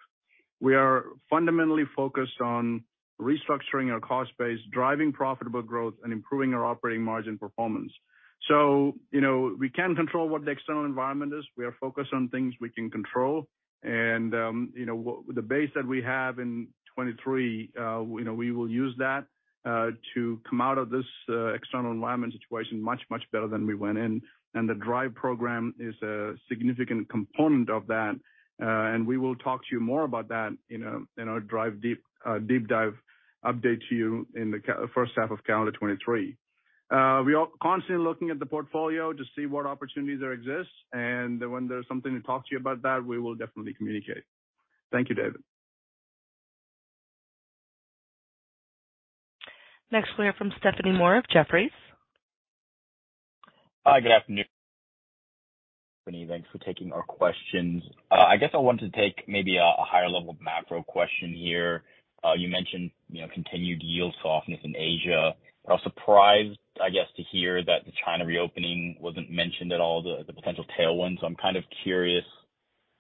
We are fundamentally focused on restructuring our cost base, driving profitable growth, and improving our operating margin performance. You know, we can't control what the external environment is. We are focused on things we can control. You know, with the base that we have in 2023, you know, we will use that to come out of this external environment situation much, much better than we went in. The DRIVE program is a significant component of that, and we will talk to you more about that in our DRIVE deep dive update to you in the first half of calendar 2023. We are constantly looking at the portfolio to see what opportunities there exist. When there's something to talk to you about that, we will definitely communicate. Thank you, David. Next, we have from Stephanie Moore of Jefferies. Hi. Good afternoon. Thanks for taking our questions. I guess I wanted to take maybe a higher level macro question here. You mentioned, you know, continued yield softness in Asia, but I was surprised, I guess, to hear that the China reopening wasn't mentioned at all, the potential tailwind. I'm kind of curious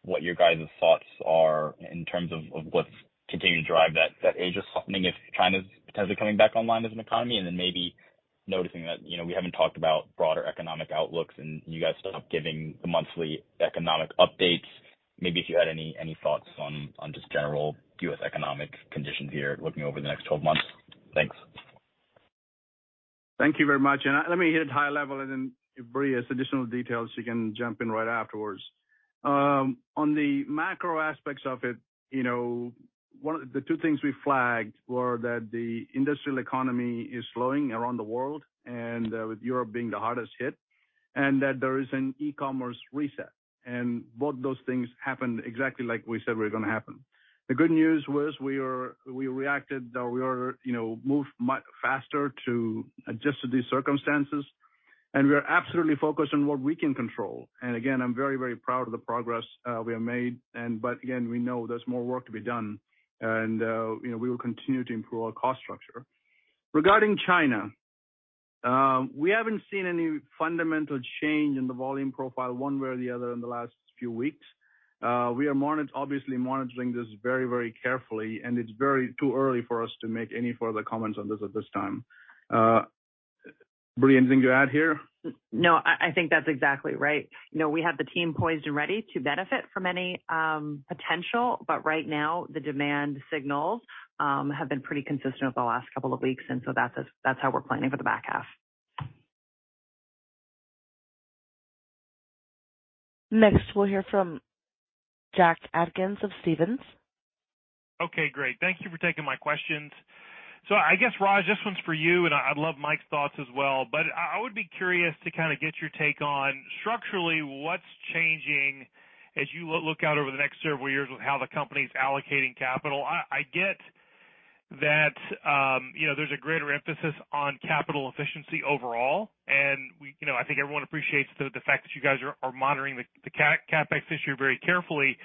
what your guys' thoughts are in terms of what's continuing to drive that Asia softening if China's potentially coming back online as an economy. Then maybe noticing that, you know, we haven't talked about broader economic outlooks, and you guys stopped giving the monthly economic updates. Maybe if you had any thoughts on just general U.S. economic conditions here looking over the next 12 months. Thanks. Thank you very much. Let me hit it high level, and then if Brie has additional details, she can jump in right afterwards. On the macro aspects of it, you know, one of the two things we flagged were that the industrial economy is slowing around the world, and with Europe being the hardest hit, and that there is an e-commerce reset. Both those things happened exactly like we said were gonna happen. The good news was we reacted. You know, we moved faster to adjust to these circumstances, and we are absolutely focused on what we can control. Again, I'm very, very proud of the progress we have made, but again, we know there's more work to be done, you know, we will continue to improve our cost structure. Regarding China, we haven't seen any fundamental change in the volume profile one way or the other in the last few weeks. We are obviously monitoring this very, very carefully, and it's very too early for us to make any further comments on this at this time. Brie, anything to add here? I think that's exactly right. You know, we have the team poised and ready to benefit from any potential. Right now, the demand signals have been pretty consistent over the last couple of weeks. That's how we're planning for the back half. Next, we'll hear from Jack Atkins of Stephens. Okay, great. Thank you for taking my questions. I guess, Raj, this one's for you, and I'd love Mike's thoughts as well, but I would be curious to kinda get your take on structurally what's changing as you look out over the next several years with how the company's allocating capital. I get that, you know, there's a greater emphasis on capital efficiency overall, and you know, I think everyone appreciates the fact that you guys are monitoring the CapEx issue very carefully.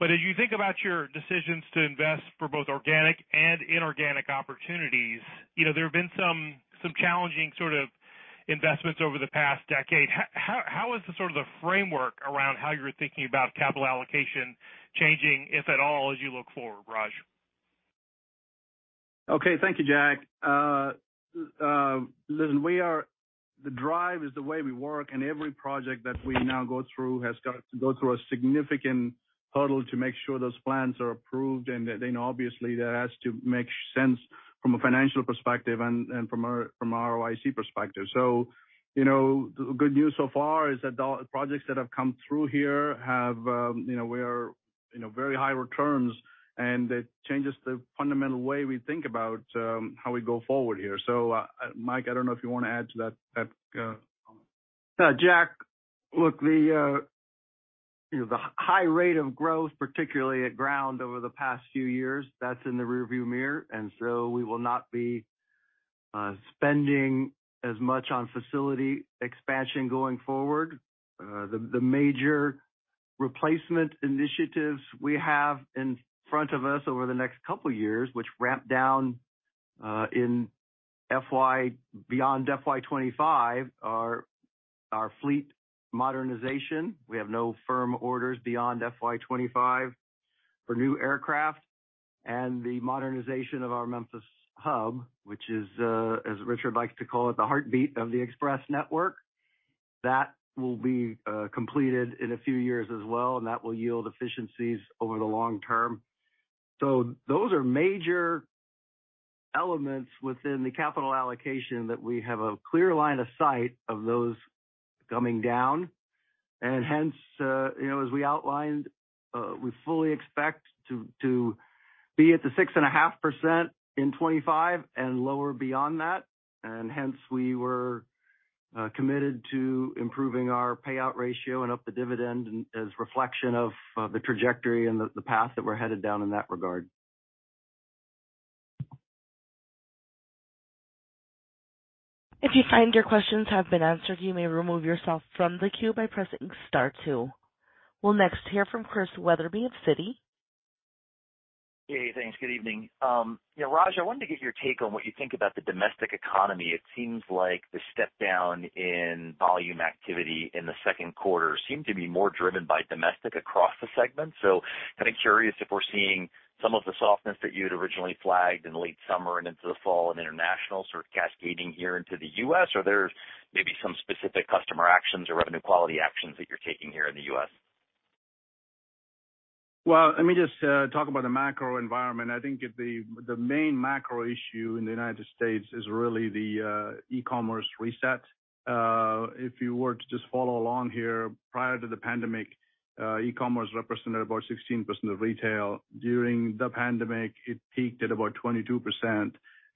As you think about your decisions to invest for both organic and inorganic opportunities, you know, there have been some challenging sort of investments over the past decade. How is the sort of the framework around how you're thinking about capital allocation changing, if at all, as you look forward, Raj? Thank you, Jack. Listen, we are the DRIVE is the way we work, and every project that we now go through has got to go through a significant hurdle to make sure those plans are approved and that then, obviously, that has to make sense from a financial perspective and from our ROIC perspective. You know, the good news so far is that the projects that have come through here have, you know, we are very high returns, and it changes the fundamental way we think about how we go forward here. Mike, I don't know if you wanna add to that comment. Yeah, Jack. Look, the, you know, the high rate of growth, particularly at Ground over the past few years, that's in the rearview mirror. Spending as much on facility expansion going forward. The major replacement initiatives we have in front of us over the next couple years, which ramp down beyond FY 2025 are our fleet modernization. We have no firm orders beyond FY 2025 for new aircraft and the modernization of our Memphis hub, which is as Richard likes to call it, the heartbeat of the Express network. That will be completed in a few years as well, and that will yield efficiencies over the long term. Those are major elements within the capital allocation that we have a clear line of sight of those coming down. Hence, you know, as we outlined, we fully expect to be at the 6.5% in 2025 and lower beyond that. Hence, we were committed to improving our payout ratio and up the dividend as reflection of, the trajectory and the path that we're headed down in that regard. If you find your questions have been answered, you may remove yourself from the queue by pressing star two. We'll next hear from Chris Wetherbee of Citi. Hey, thanks. Good evening. You know, Raj, I wanted to get your take on what you think about the domestic economy. It seems like the step down in volume activity in the second quarter seemed to be more driven by domestic across the segment. Kind of curious if we're seeing some of the softness that you had originally flagged in late summer and into the fall in international sort of cascading here into the U.S., or there's maybe some specific customer actions or revenue quality actions that you're taking here in the U.S.? Well, let me just talk about the macro environment. I think the main macro issue in the United States is really the e-commerce reset. If you were to just follow along here, prior to the pandemic, e-commerce represented about 16% of retail. During the pandemic, it peaked at about 22%,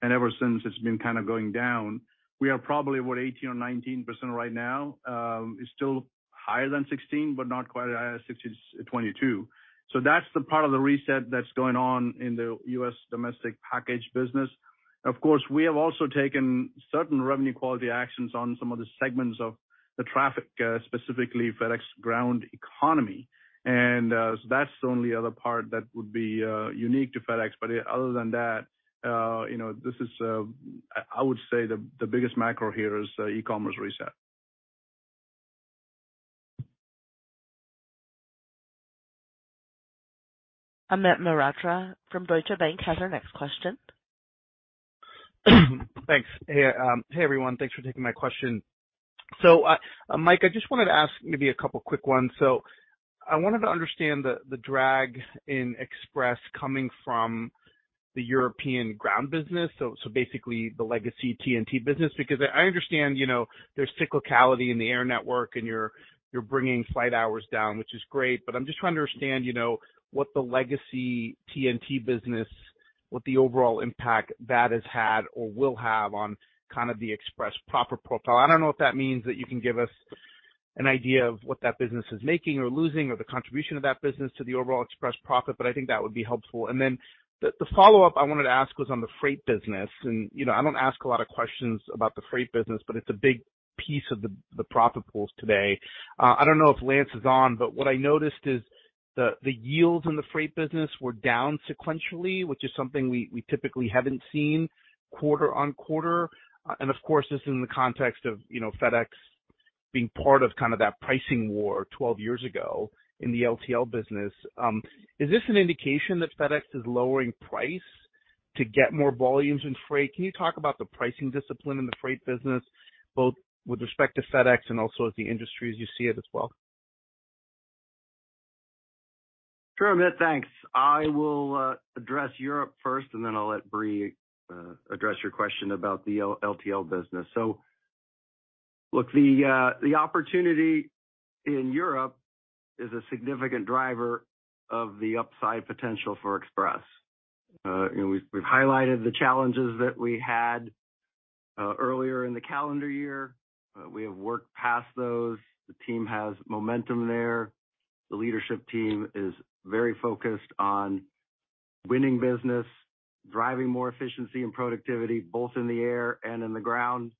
and ever since it's been kind of going down. We are probably about 18% or 19% right now. It's still higher than 16%, but not quite as high as 22%. That's the part of the reset that's going on in the U.S. domestic package business. Of course, we have also taken certain revenue quality actions on some of the segments of the traffic, specifically FedEx Ground Economy. That's the only other part that would be unique to FedEx. Other than that, you know, this is, I would say the biggest macro here is the e-commerce reset. Amit Mehrotra from Deutsche Bank has our next question. Thanks. Hey everyone. Thanks for taking my question. Mike, I just wanted to ask maybe a couple quick ones. I wanted to understand the drag in Express coming from the European ground business, so basically the legacy TNT business. Because I understand, you know, there's cyclicality in the Air Network and you're bringing flight hours down, which is great, but I'm just trying to understand, you know, what the legacy TNT business, what the overall impact that has had or will have on kind of the Express proper profile. I don't know if that means that you can give us an idea of what that business is making or losing or the contribution of that business to the overall Express profit, but I think that would be helpful. The, the follow-up I wanted to ask was on the Freight business. You know, I don't ask a lot of questions about the Freight business, but it's a big piece of the profit pools today. I don't know if Lance is on, but what I noticed is the yields in the Freight business were down sequentially, which is something we typically haven't seen quarter-on-quarter. Of course, this is in the context of, you know, FedEx being part of kind of that pricing war 12 years ago in the LTL business. Is this an indication that FedEx is lowering price to get more volumes in Freight? Can you talk about the pricing discipline in the Freight business, both with respect to FedEx and also as the industry as you see it as well? Sure, Amit. Thanks. I will address Europe first, then I'll let Brie address your question about the LTL business. Look, the opportunity in Europe is a significant driver of the upside potential for Express. We've highlighted the challenges that we had earlier in the calendar year. We have worked past those. The team has momentum there. The leadership team is very focused on winning business, driving more efficiency and productivity, both in the air and in the ground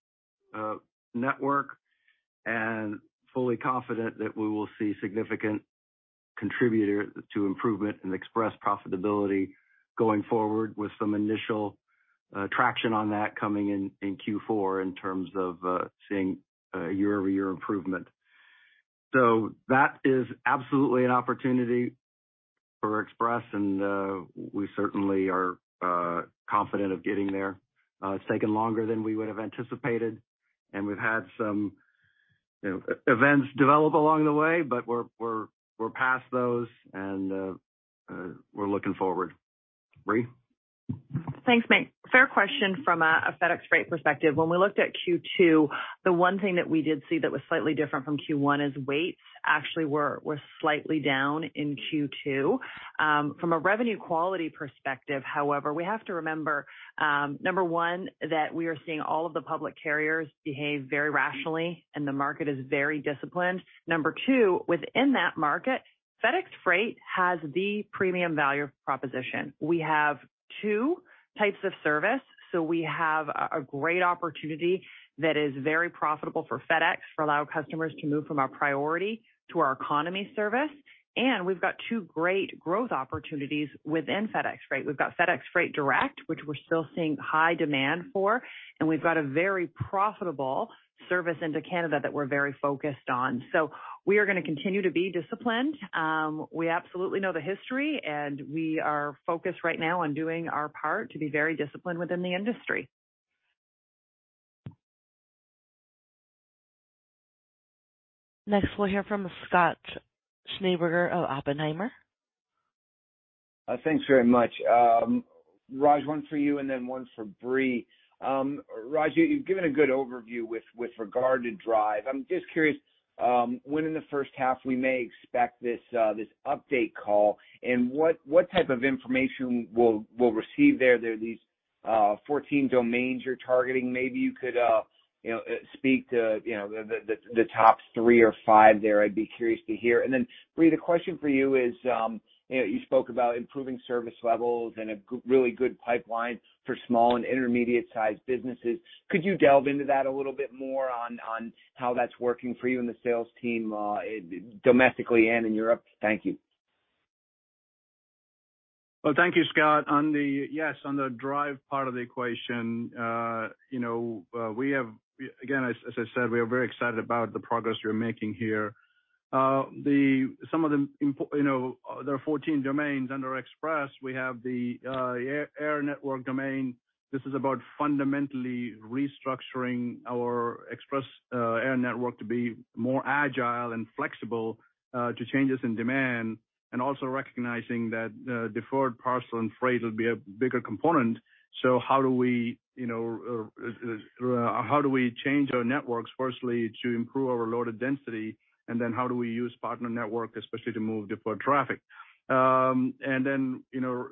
network, and fully confident that we will see significant contributor to improvement in Express profitability going forward with some initial traction on that coming in in Q4 in terms of seeing year-over-year improvement. That is absolutely an opportunity for Express, and we certainly are confident of getting there. It's taken longer than we would've anticipated, and we've had some, you know, events develop along the way, but we're past those and we're looking forward. Brie? Thanks, Mike. Fair question from a FedEx rate perspective. When we looked at Q2, the one thing that we did see that was slightly different from Q1 is weights actually were slightly down in Q2. From a revenue quality perspective, however, we have to remember, number one, that we are seeing all of the public carriers behave very rationally and the market is very disciplined. Number two, within that market, FedEx Freight has the premium value proposition. We have two types of service, so we have a great opportunity that is very profitable for FedEx to allow our customers to move from our priority to our economy service. We've got two great growth opportunities within FedEx Freight. We've got FedEx Freight Direct, which we're still seeing high demand for, and we've got a very profitable service into Canada that we're very focused on. We are going to continue to be disciplined. We absolutely know the history, and we are focused right now on doing our part to be very disciplined within the industry. Next, we'll hear from Scott Schneeberger of Oppenheimer. Thanks very much. Raj, one for you and then one for Brie. Raj, you've given a good overview with regard to DRIVE. I'm just curious, when in the first half we may expect this update call and what type of information we'll receive there. There are these 14 domains you're targeting. Maybe you could, you know, speak to, you know, the top three or five there, I'd be curious to hear. Then Brie, the question for you is, you know, you spoke about improving service levels and a really good pipeline for small and intermediate-sized businesses. Could you delve into that a little bit more on how that's working for you and the sales team domestically and in Europe? Thank you. Well, thank you, Scott. Yes, on the DRIVE part of the equation, you know, we have, again, as I said, we are very excited about the progress we are making here. You know, there are 14 domains under Express. We have the air network domain. This is about fundamentally restructuring our Express Air network to be more agile and flexible to changes in demand, and also recognizing that deferred parcel and freight will be a bigger component. How do we, you know, how do we change our networks, firstly, to improve our loaded density, and then how do we use partner network, especially to move deferred traffic? Then, you know,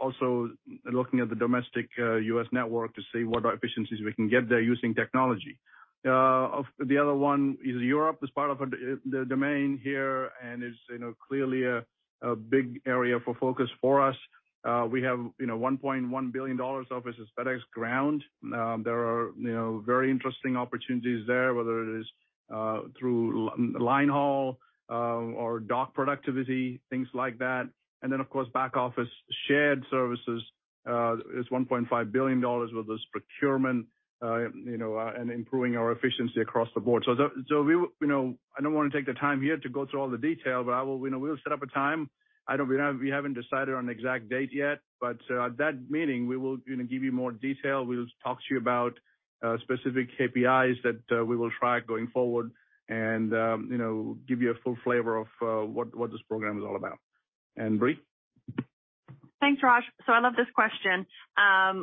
also looking at the domestic U.S. network to see what efficiencies we can get there using technology. The other one is Europe is part of the domain here, and is, you know, clearly a big area for focus for us. We have, you know, $1.1 billion of business FedEx Ground. There are, you know, very interesting opportunities there, whether it is through line haul, or dock productivity, things like that. Then, of course, back office shared services is $1.5 billion. Whether it's procurement, you know, and improving our efficiency across the board. We, you know, I don't wanna take the time here to go through all the detail, but I will. You know, we'll set up a time. We haven't decided on the exact date yet, but, at that meeting, we will, you know, give you more detail. We'll talk to you about specific KPIs that we will track going forward and, you know, give you a full flavor of what this program is all about. Brie. Thanks, Raj. I love this question.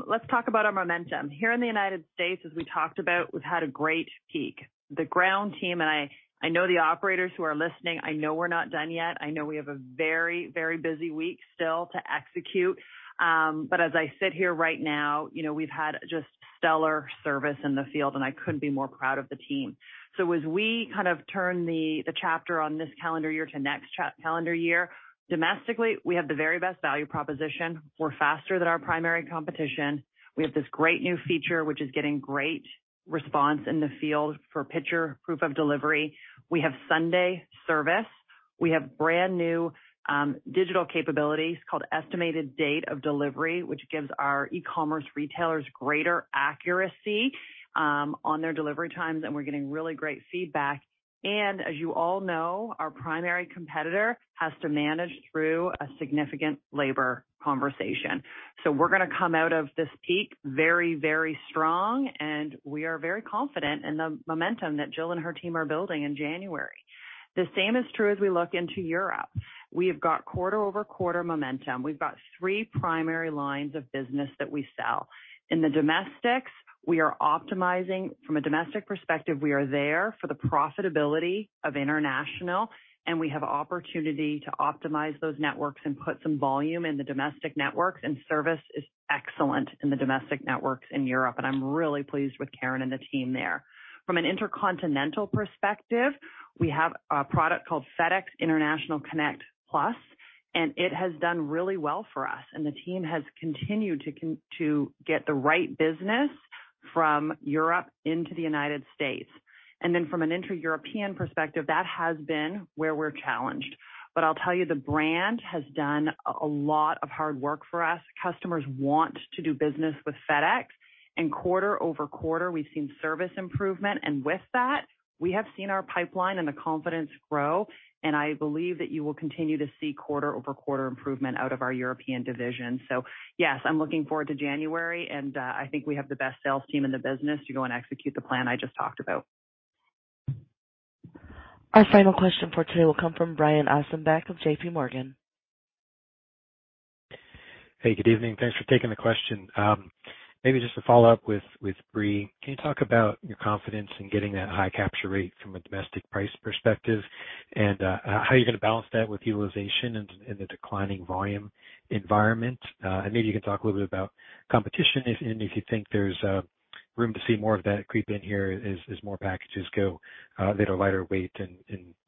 Let's talk about our momentum. Here in the United States, as we talked about, we've had a great peak. The ground team, and I know the operators who are listening, I know we're not done yet. I know we have a very, very busy week still to execute. As I sit here right now, you know, we've had just stellar service in the field, and I couldn't be more proud of the team. As we kind of turn the chapter on this calendar year to next calendar year, domestically, we have the very best value proposition. We're faster than our primary competition. We have this great new feature which is getting great response in the field for Picture Proof of Delivery. We have Sunday service. We have brand-new digital capabilities called Estimated Date of Delivery, which gives our e-commerce retailers greater accuracy on their delivery times, and we're getting really great feedback. As you all know, our primary competitor has to manage through a significant labor conversation. We're gonna come out of this peak very, very strong, and we are very confident in the momentum that Jill and her team are building in January. The same is true as we look into Europe. We've got quarter-over-quarter momentum. We've got three primary lines of business that we sell. In the domestics, we are optimizing. From a domestic perspective, we are there for the profitability of international. We have opportunity to optimize those networks and put some volume in the domestic networks. Service is excellent in the domestic networks in Europe. I'm really pleased with Karen and the team there. From an intercontinental perspective, we have a product called FedEx International Connect Plus. It has done really well for us. The team has continued to get the right business from Europe into the United States. From an intra-European perspective, that has been where we're challenged. I'll tell you, the brand has done a lot of hard work for us. Customers want to do business with FedEx. Quarter-over-quarter, we've seen service improvement. With that, we have seen our pipeline and the confidence grow, and I believe that you will continue to see quarter-over-quarter improvement out of our European division. Yes, I'm looking forward to January, and I think we have the best sales team in the business to go and execute the plan I just talked about. Our final question for today will come from Brian Ossenbeck of JPMorgan. Hey, good evening. Thanks for taking the question. Maybe just to follow up with Brie. Can you talk about your confidence in getting that high capture rate from a domestic price perspective and how you're gonna balance that with utilization in the declining volume environment? Maybe you can talk a little bit about competition and if you think there's room to see more of that creep in here as more packages go that are lighter weight and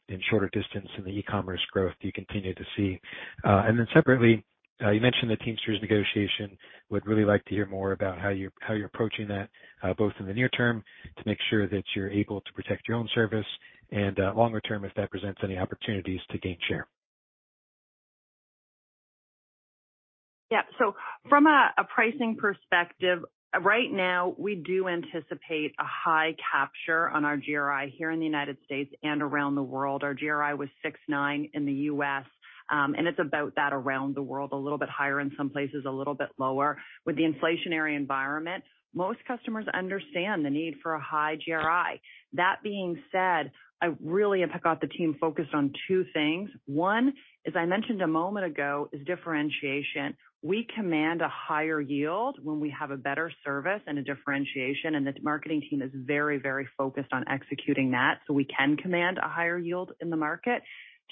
in shorter distance in the e-commerce growth you continue to see. Then separately, you mentioned the Teamsters negotiation. Would really like to hear more about how you're approaching that, both in the near term to make sure that you're able to protect your own service and, longer term, if that presents any opportunities to gain share. From a pricing perspective, right now we do anticipate a high capture on our GRI here in the United States and around the world. Our GRI was 6.9% in the U.S., and it's about that around the world, a little bit higher in some places, a little bit lower. With the inflationary environment, most customers understand the need for a high GRI. That being said, I really have got the team focused on two things. One, as I mentioned a moment ago, is differentiation. We command a higher yield when we have a better service and a differentiation, and the marketing team is very, very focused on executing that so we can command a higher yield in the market.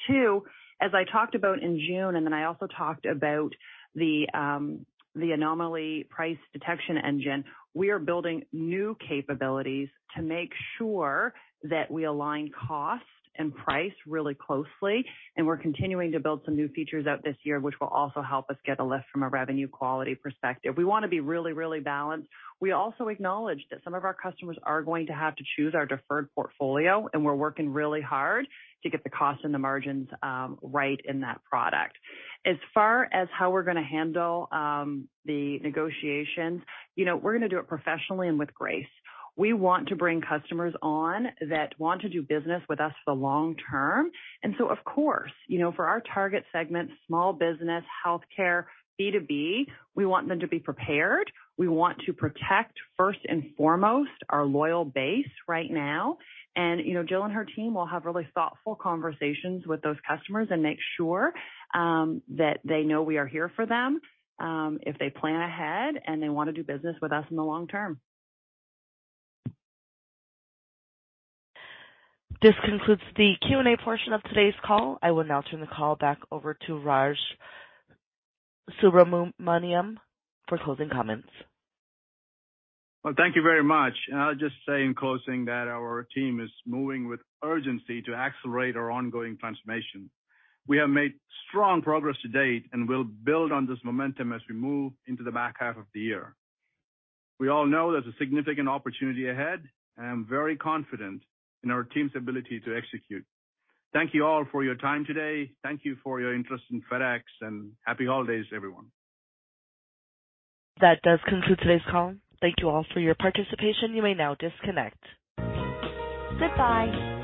Two, as I talked about in June, I also talked about the anomaly price detection engine. We are building new capabilities to make sure that we align cost and price really closely, and we're continuing to build some new features out this year, which will also help us get a lift from a revenue quality perspective. We want to be really, really balanced. We also acknowledge that some of our customers are going to have to choose our deferred portfolio, and we're working really hard to get the cost and the margins right in that product. As far as how we're going to handle the negotiations. You know, we're going to do it professionally and with grace. We want to bring customers on that want to do business with us for the long term. Of course, you know, for our target segment, small business, healthcare, B2B, we want them to be prepared. We want to protect first and foremost our loyal base right now. You know, Jill and her team will have really thoughtful conversations with those customers and make sure that they know we are here for them if they plan ahead and they wanna do business with us in the long term. This concludes the Q&A portion of today's call. I will now turn the call back over to Raj Subramaniam for closing comments. Well, thank you very much. I'll just say in closing that our team is moving with urgency to accelerate our ongoing transformation. We have made strong progress to date, and we'll build on this momentum as we move into the back half of the year. We all know there's a significant opportunity ahead, and I'm very confident in our team's ability to execute. Thank you all for your time today. Thank you for your interest in FedEx, and happy holidays, everyone. That does conclude today's call. Thank you all for your participation. You may now disconnect. Goodbye.